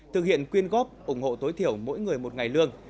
thực hiện quyên góp ủng hộ tối thiểu mỗi người một ngày lương